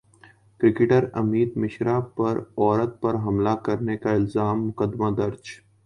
cricketer Amit Mishra پر عورت پر حملہ کرنے کا الزام مقدمہ درج